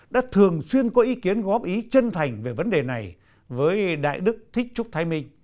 đã thường xuyên có ý kiến góp ý chân thành về vấn đề này với đại đức thích trúc thái minh